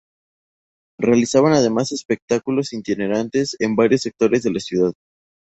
Realizan además espectáculos itinerantes en varios sectores de la ciudad.